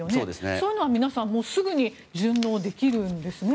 そういうのは皆さんすぐに順応できるんですね。